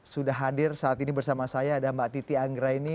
sudah hadir saat ini bersama saya ada mbak titi anggraini